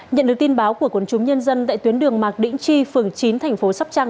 nhận được tin báo của quân chúng nhân dân tại tuyến đường mạc đĩnh chi phường chín tp sóc trăng